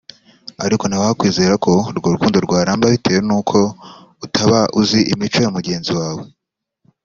ariko nta wakwizera ko urwo rukundo rwaramba bitewe nuko utaba uzi imico ya mugenzi wawe